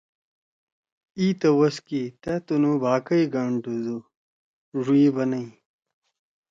اِی توَس کی تأ تنُو بھا کئی گھنڈُودُو؟ ڙُوئیل بنَئی: